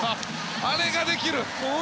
あれができる！